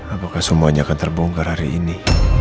apakah semuanya akan terbongkar hari ini